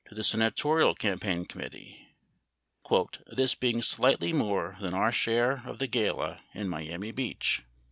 740 the Senatorial Campaign Committee, "this being slightly more than our share of the gala at Miami Beach."